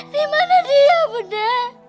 dimana dia budi